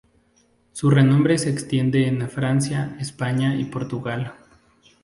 Su renombre se extiende en Francia, España y Portugal.